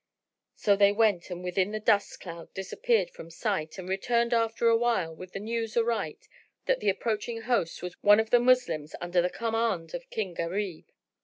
So they went and within the dust cloud disappeared from sight, and returned after awhile with the news aright that the approaching host was one of Moslems, under the command of King Gharib.